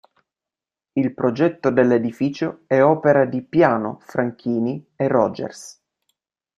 Il progetto dell'edificio è opera di "Piano, Franchini e Rogers".